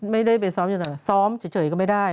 ไม่ได้ไปซ้อมอยู่ไหนซ้อมเฉยก็ไม่ได้